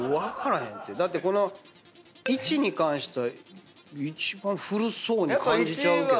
だってこの１に関しては一番古そうに感じちゃうけど。